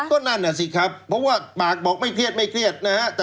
ก็นั่นน่ะสิครับเพราะว่าปากบอกไม่เครียดไม่เครียดนะฮะ